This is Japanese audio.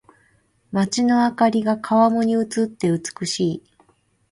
街の灯りが川面に映って美しい。